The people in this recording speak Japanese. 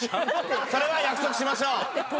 それは約束しましょう。